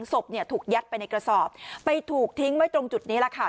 ศพเนี่ยถูกยัดไปในกระสอบไปถูกทิ้งไว้ตรงจุดนี้แหละค่ะ